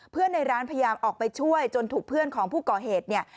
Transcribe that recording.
ในร้านพยายามออกไปช่วยจนถูกเพื่อนของผู้ก่อเหตุเนี่ย